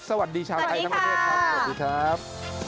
สวัสดีชาวไทยธรรมชาติครับ